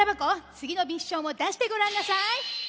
つぎのミッションをだしてごらんなさい！